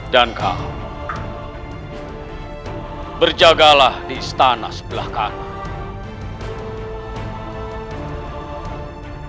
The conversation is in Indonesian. dan kau berjagalah di istana sebelah kanan